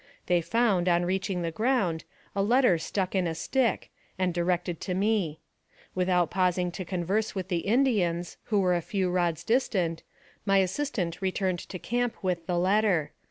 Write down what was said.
They found, on reaching the ground, a letter stuck in a stick, and directed to me. Without pausing to converse with the Indians, who were a few rods distant, my assistant returned to camp with the letter.